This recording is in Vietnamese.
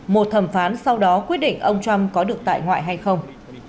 một thẩm phán sau đó quyết định ông trump có được tại ngoại hay không